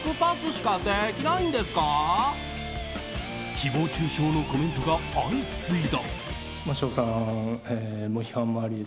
誹謗中傷のコメントが相次いだ。